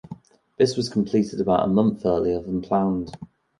This was completed about a month earlier than planned.